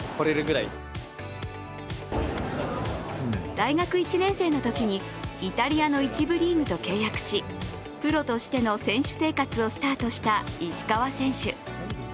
大学１年生のときにイタリアの１部リーグと契約しプロとしての選手生活をスタートした石川選手。